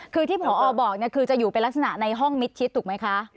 คือที่ผอบอกคือจะอยู่เป็นลักษณะในห้องมิดชิดถูกไหมคะ